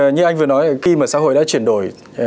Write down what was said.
như anh vừa nói khi mà xã hội đã chuyển đổi